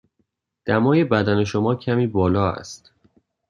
دمای بدن شما کمی بالا است.